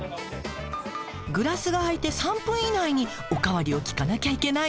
グラスが空いて３分以内にお代わりを聞かなきゃいけないの。